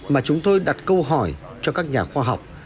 mà chúng tôi đặt câu hỏi cho các nhà khoa học